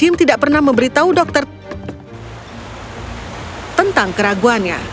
tim tidak pernah memberitahu dokter tentang keraguannya